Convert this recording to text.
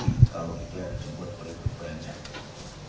dan mengatakan kalau tergugat pergi ke rumah